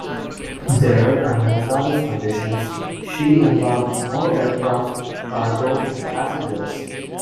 There, under hazardous conditions, she embarked more aircraft, cargo and passengers.